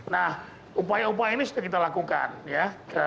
nah upaya upaya ini sudah kita lakukan ya